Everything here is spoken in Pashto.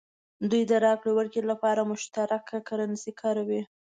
دوی د راکړې ورکړې لپاره مشترکه کرنسي کاروي.